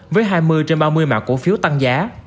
với hai mươi trên ba mươi mã cổ phiếu tăng giá